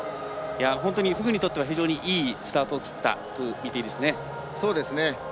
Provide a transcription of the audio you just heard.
本当にフグにとってはいいスタートを切ったと見ていいですね。